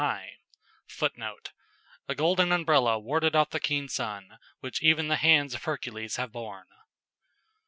[Footnote: "A golden umbrella warded off the keen sun, which even the hands of Hercules have borne."